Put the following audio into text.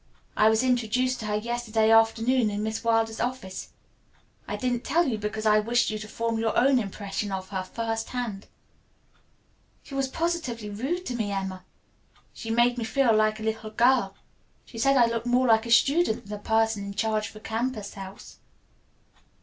I was introduced to her yesterday afternoon in Miss Wilder's office. I didn't tell you, because I wished you to form your own impression of her, first hand." "She was positively rude to me, Emma. She made me feel like a little girl. She said I looked more like a student than a person in charge of a campus house."